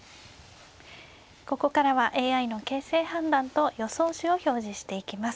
ここからはＡＩの形勢判断と予想手を表示していきます。